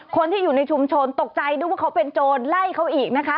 คนที่อยู่ในชุมชนตกใจนึกว่าเขาเป็นโจรไล่เขาอีกนะคะ